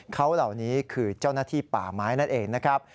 เขาเหล่านี้คือเจ้าหน้าที่ป่าไม้นั่นเองนะครับ